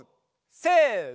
せの！